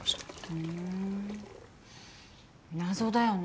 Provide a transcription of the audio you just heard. ふん謎だよね